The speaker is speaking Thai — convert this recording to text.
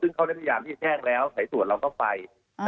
ซึ่งเขาได้พยายามที่จะแจ้งแล้วสายตรวจเราก็ไป